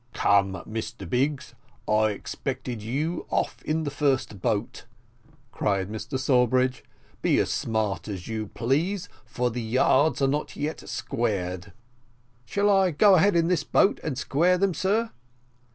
"Come, Mr Biggs, I expected you off in the first boat," cried Mr Sawbridge; "be as smart as you please, for the yards are not yet squared." "Shall I go ahead in this boat, and square them, sir?"